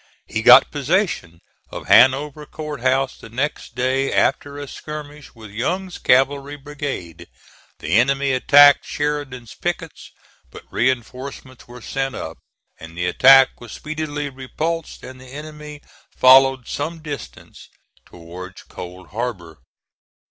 He got possession of Hanover Court House the next day after a skirmish with Young's cavalry brigade. The enemy attacked Sheridan's pickets, but reinforcements were sent up and the attack was speedily repulsed and the enemy followed some distance towards Cold Harbor.